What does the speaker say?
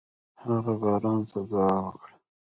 هغه باران ته دعا وکړه.